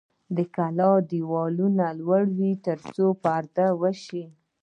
د کلا دیوالونه لوړ وي ترڅو پرده وشي.